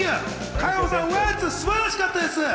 海宝さん、ウエンツ、素晴らしかったです！